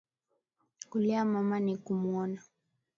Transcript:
Kulia mama ni kumuona